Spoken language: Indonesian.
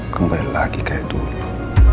kembali lagi kayak dulu